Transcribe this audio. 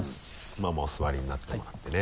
まぁお座りになってもらってね。